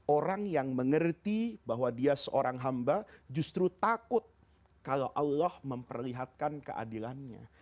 orang yang mengerti bahwa dia seorang hamba justru takut kalau allah memperlihatkan keadilannya